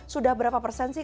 sudah berapa persen sih